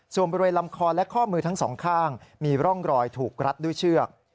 ส่วนบริเวณลำคอและข้อมือทั้งสองข้างมีร่องรอยถูกรัดด้วยเชือก